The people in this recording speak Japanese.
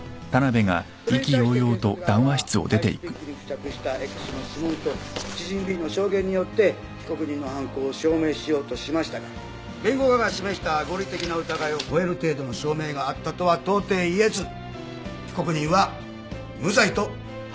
それに対して検察側はアイスピックに付着したＸの指紋と知人Ｂの証言によって被告人の犯行を証明しようとしましたが弁護側が示した合理的な疑いを超える程度の証明があったとはとうてい言えず被告人は無罪と判断しました。